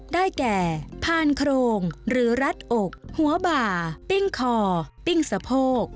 ได้แก่พานโครงหรือรัดอกหัวบ่าปิ้งคอปิ้งสะโพก